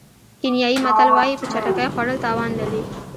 کینیايي متل وایي په چټکۍ خوړل تاوان لري.